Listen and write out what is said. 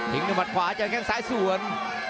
ถึงดับหมัดขวาจากแค่งซ้ายส่วน